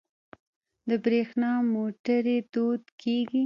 د بریښنا موټرې دود کیږي.